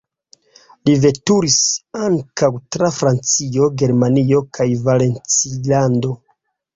Li veturis ankaŭ tra Francio, Germanio kaj Valencilando.